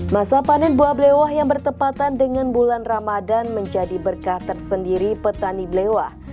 masa panen buah blewah yang bertepatan dengan bulan ramadan menjadi berkah tersendiri petani blewah